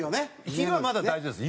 昼はまだ大丈夫です。